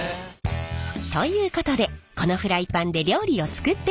ということでこのフライパンで料理を作っていただきます！